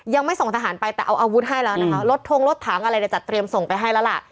ยังไม่ส่งทหารไปแต่เอาอาวุธให้แล้วนะคะรถทงรถถังอะไรเนี่ยจัดเตรียมส่งไปให้แล้วล่ะ